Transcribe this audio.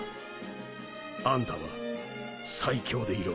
あんたは最強でいろ